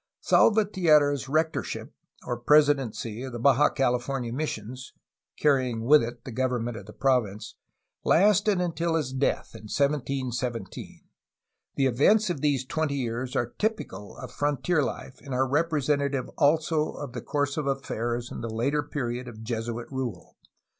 Salvatierra's rectorship, or presidency, of the Baja Cali fornia missions (carrying with it the government of the province) lasted until his death, in 1717. The events of these twenty years are typical of frontier life and are representa tive also of the course of affairs in the later period of Jesuit rule.